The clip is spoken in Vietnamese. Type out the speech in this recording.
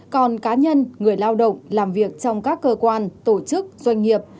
còn cá nhân người lao động làm việc trong các cơ quan tổ chức doanh nghiệp